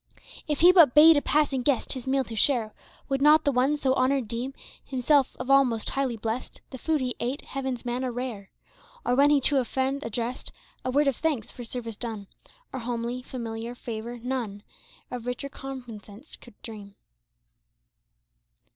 If he but bade a passing guest His meal to share. Would not the one so honored deem Himself of all most highly blessed. The food he ate heaven's manna rare? Or when he to a friend addressed A word of thanks for service done. Or homely, familiar favor, none Of richer recompense could dream.